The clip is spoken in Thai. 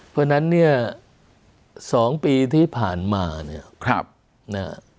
เพราะฉะนั้นเนี่ย๒ปีที่ผ่านมาเนี่ยนะฮะ